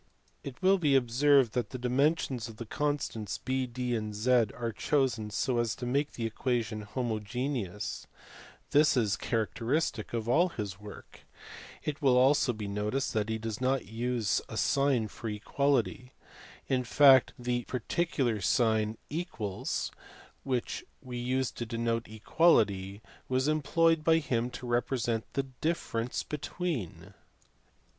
It will be observed that the dimensions of the constants (B, D, and Z) are chosen so as to make the equation homogeneous : this is characteristic of all his work. It will be also noticed that he does not use a sign for equality : and in fact the parti 236 THE MATHEMATICS OF THE RENAISSANCE. cular sign which we use to denote equality was employed by him to represent a the difference between."